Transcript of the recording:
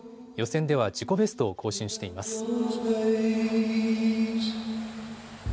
予選では自己ベストを更新しています。